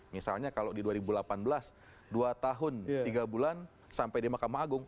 misalnya kalau di dua ribu delapan belas dua tahun tiga bulan sampai di mahkamah agung